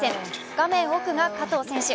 画面奥が加藤選手。